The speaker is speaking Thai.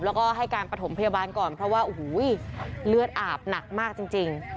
แล้วก็ให้การประถมพยาบาลก่อนเพราะว่าโอ้โหเลือดอาบหนักมากจริง